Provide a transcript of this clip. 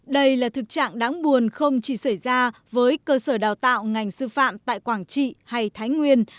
đây là thực trạng đáng buồn không chỉ xảy ra với cơ sở đào tạo ngành sư phạm tại quảng trị hay thái nguyên